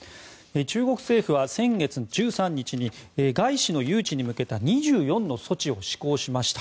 中国政府は先月１３日に外資の誘致に向けた２４の措置を施行しました。